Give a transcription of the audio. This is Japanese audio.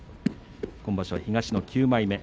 今場所は東の９枚目です。